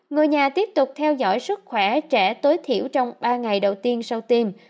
người nhà tiếp tục theo dõi sức khỏe trẻ tối thiểu trong ba ngày đầu tiên sau tiêm